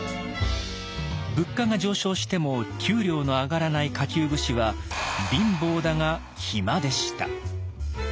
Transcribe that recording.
物価が上昇しても給料の上がらない下級武士は貧乏だが暇でした。